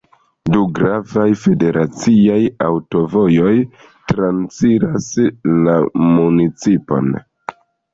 Du gravaj federaciaj aŭtovojoj transiras la municipon.